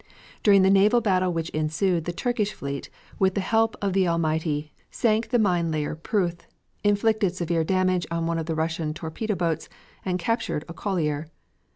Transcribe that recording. During the naval battle which ensued the Turkish fleet, with the help of the Almighty, sank the mine layer Pruth, inflicted severe damage on one of the Russian torpedo boats, and captured a collier.